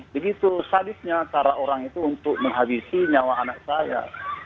begitu sadisnya cara orang itu untuk menghabisi nyawa anak saya